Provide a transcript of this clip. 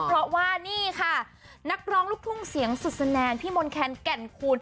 เพราะว่านี่ค่ะนักร้องลูกทุ่งเสียงสุดสแนนพี่มนต์แคนแก่นคูณ